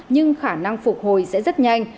nhưng khả năng phục hồi sẽ rất nhanh